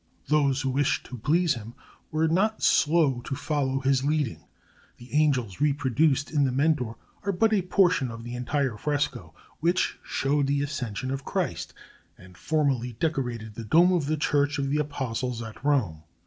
Those who wished to please him were not slow to follow his leading. The angels reproduced in The Mentor are but a portion of the entire fresco, which showed the Ascension of Christ, and formerly decorated the dome of the Church of the Apostles at Rome.